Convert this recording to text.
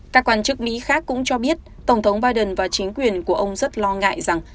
các quan chức mỹ khác cũng cho biết tổng thống biden và chính quyền của ông rất lo ngại rằng